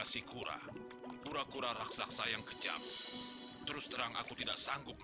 mum aduh kamu tunggu sini ya mum